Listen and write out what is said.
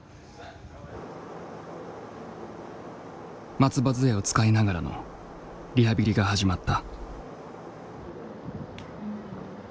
松葉づえを使いながらのリハビリが始まった。